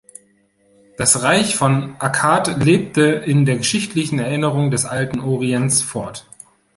Das Reich von Akkad lebte in der geschichtlichen Erinnerung des Alten Orients fort.